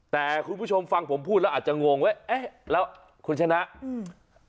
แต่คุณผู้ชมฟังผมพูดแล้วอาจจะงงว่าเอ๊ะแล้วคุณชนะอืม